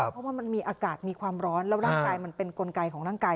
เพราะว่ามันมีอากาศมีความร้อนแล้วร่างกายมันเป็นกลไกของร่างกาย